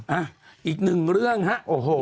อ้าอีกหนึ่งเรื่องฮะโอ้โหวันนี้